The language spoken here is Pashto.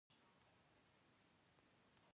ایا ستاسو نقاشي طبیعي ده؟